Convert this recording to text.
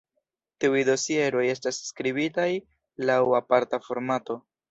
Tiuj dosieroj estas skribitaj laŭ aparta formato.